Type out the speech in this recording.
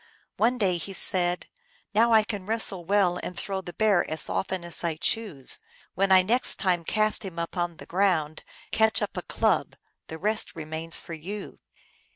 One day he said, " Now I can wrestle well and throw the Bear as often as I choose. When I next time cast him upon the ground, catch up a club ; the rest remains for you